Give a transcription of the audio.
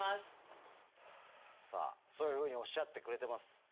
さぁそういうふうにおっしゃってくれてます。